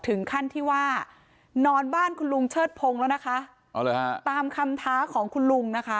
ถึงขั้นที่ว่านอนบ้านคุณลุงเชิดพงศ์แล้วนะคะตามคำท้าของคุณลุงนะคะ